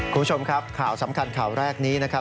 คุณผู้ชมครับข่าวสำคัญข่าวแรกนี้นะครับ